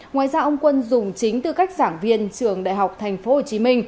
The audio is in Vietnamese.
ngoài ra ông quân dùng chính tư cách giảng viên trường đại học tp hcm